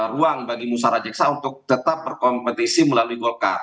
ruang bagi musara jeksa untuk tetap berkompetisi melalui golkar